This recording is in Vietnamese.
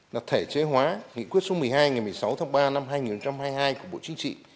là thể chế hóa nghị quyết số một mươi hai ngày một mươi sáu tháng ba năm hai nghìn hai mươi hai của bộ chính trị